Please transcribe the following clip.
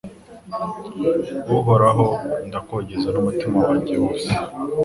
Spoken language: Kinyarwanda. Uhoraho ndakogeza n’umutima wanjye wose